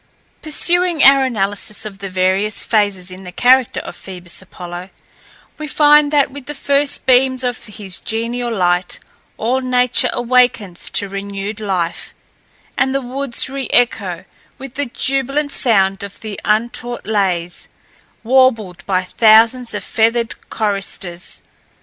Pursuing our analysis of the various phases in the character of Phoebus Apollo, we find that with the first beams of his genial light, all nature awakens to renewed life, and the woods re echo with the jubilant sound of the untaught lays, warbled by thousands of feathered choristers.